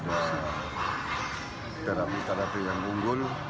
tidak ada terapi terapi yang unggul